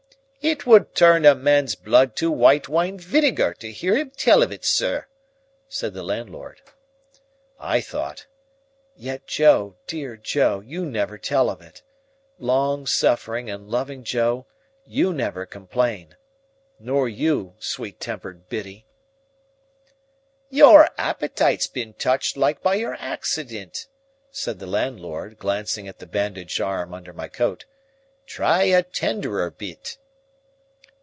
"It would turn a man's blood to white wine winegar to hear him tell of it, sir," said the landlord. I thought, "Yet Joe, dear Joe, you never tell of it. Long suffering and loving Joe, you never complain. Nor you, sweet tempered Biddy!" "Your appetite's been touched like by your accident," said the landlord, glancing at the bandaged arm under my coat. "Try a tenderer bit."